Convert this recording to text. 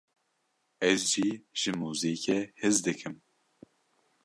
Ez jî ji muzîkê hez dikim.